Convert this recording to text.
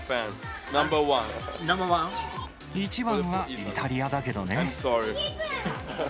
一番はイタリアだけどね。